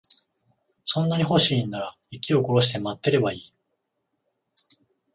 そんなに欲しいんなら、息を殺して待ってればいい。